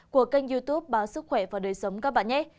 của kênh youtube báo sức khỏe và đời sống các bạn nhé